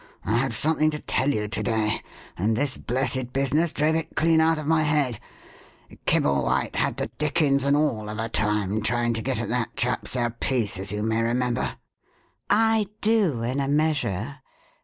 I had something to tell you to day, and this blessed business drove it clean out of my head. Kibblewhite had the dickens and all of a time trying to get at that chap Serpice, as you may remember?" "I do in a measure.